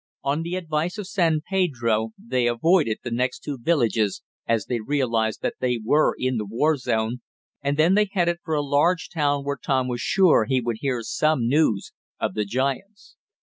On the advice of San Pedro, they avoided the next two villages as they realized that they were in the war zone, and then they headed for a large town where Tom was sure he would hear some news of the giants.